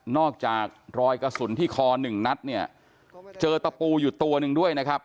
อกจากรอยกระสุนที่คอหนึ่งนัดเนี่ยเจอตะปูอยู่ตัวหนึ่งด้วยนะครับ